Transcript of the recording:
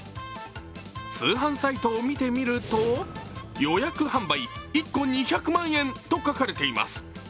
通販サイトを見てみると予約販売１個２００万円と書かれています。